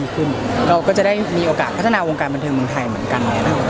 ก็จะได้มีโอกาสพัฒนาวงการมันเทิงทัยเหมือนกัน